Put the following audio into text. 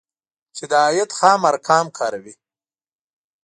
چې د عاید خام ارقام کاروي